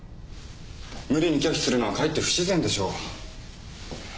無理に拒否するのはかえって不自然でしょう。